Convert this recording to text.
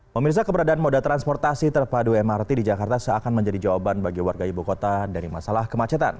pemirsa keberadaan moda transportasi terpadu mrt di jakarta seakan menjadi jawaban bagi warga ibu kota dari masalah kemacetan